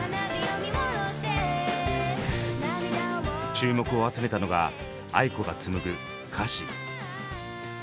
注目を集めたのがａｉｋｏが紡ぐ歌詞。